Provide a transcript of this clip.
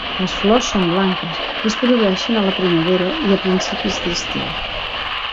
Les flors són blanques i es produeixen a la primavera i a principis d'estiu.